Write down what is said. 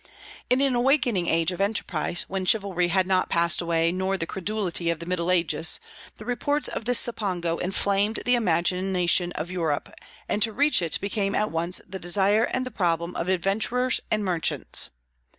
In an awakening age of enterprise, when chivalry had not passed away, nor the credulity of the Middle Ages, the reports of this Cipango inflamed the imagination of Europe, and to reach it became at once the desire and the problem of adventurers and merchants.